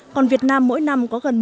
còn việt nam mỗi năm có gần một trăm linh